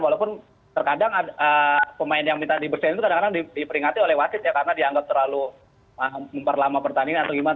walaupun terkadang pemain yang minta dibersihkan itu kadang kadang diperingati oleh wasit ya karena dianggap terlalu memperlama pertandingan atau gimana